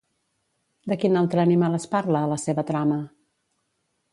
De quin altre animal es parla a la seva trama?